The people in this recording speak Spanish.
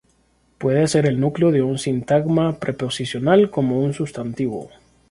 Puede ser el núcleo de un sintagma preposicional, como un sustantivo.